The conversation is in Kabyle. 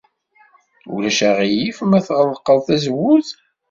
Ulac aɣilif ma tɣelqeḍ tazewwut?